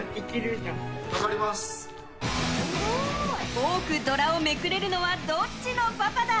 多くドラをめくれるのはどっちのパパだ？